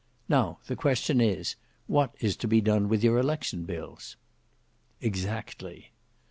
Now the question is, what is to be done with your election bills?" "Exactly."